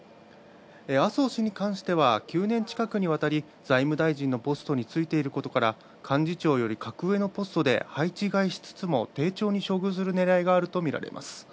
麻生氏に関しては９年近くにわたり財務大臣のポストについていることから幹事長より格上のポストで配置換えしつつも丁重に処遇するねらいがあるとみられます。